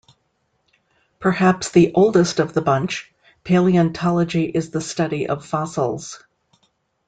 Perhaps the oldest of the bunch, paleontology is the study of fossils.